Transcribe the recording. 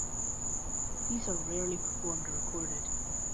These are rarely performed or recorded.